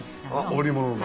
織物の町。